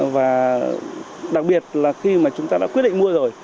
và đặc biệt là khi mà chúng ta đã quyết định mua rồi